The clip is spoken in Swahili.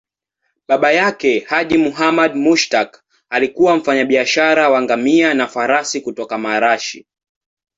Baba yake, Haji Muhammad Mushtaq, alikuwa mfanyabiashara wa ngamia na farasi kutoka Malashi.